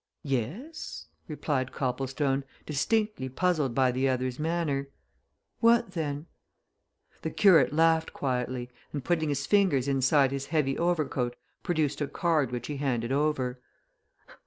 "Yes," replied Copplestone, distinctly puzzled by the other's manner. "What then?" The curate laughed quietly, and putting his fingers inside his heavy overcoat, produced a card which he handed over.